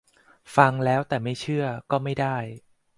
ฟังแล้ว แต่ไม่เชื่อ ก็ไม่ได้